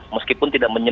meskipun tidak menyusun